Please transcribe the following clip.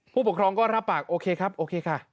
ผู้ปกครองก็รับปากโอเคครับโอเคค่ะ